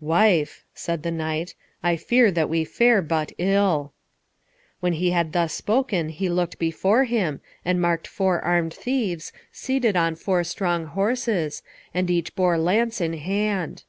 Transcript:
"Wife," said the knight, "I fear that we fare but ill." When he had thus spoken he looked before him, and marked four armed thieves, seated on four strong horses, and each bore lance in hand.